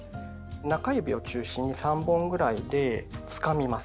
中指を中心に３本ぐらいでつかみます。